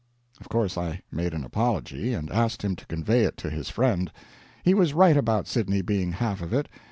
Of course I made an apology; and asked him to convey it to his friend. He was right about Sydney being half of it.